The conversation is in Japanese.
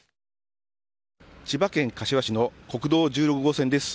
千葉県柏市の国道１６号線です。